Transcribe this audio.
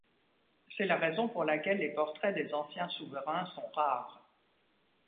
C'est la raison pour laquelle les portraits des anciens souverains sont rares.